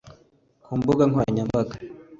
Ku mbuga nkoranyambaga